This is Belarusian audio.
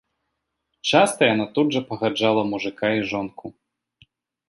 Часта яна тут жа пагаджала мужыка і жонку.